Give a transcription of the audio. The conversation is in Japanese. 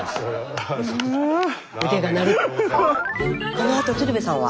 このあと鶴瓶さんは？